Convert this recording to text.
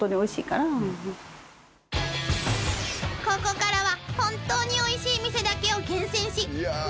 ［ここからは本当においしい店だけを厳選し］